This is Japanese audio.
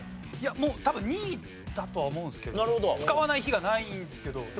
多分２位だとは思うんですけど使わない日がないんですけど。